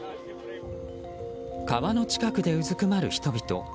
川の近くでうずくまる人々。